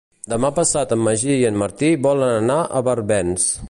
Demà passat en Magí i en Martí volen anar a Barbens.